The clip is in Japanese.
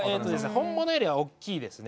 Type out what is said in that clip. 本物よりは大きいですね。